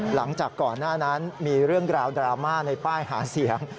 หลังจากก่อนหน้านั้นมีเรื่องราวดราม่าในป้ายหาเสียง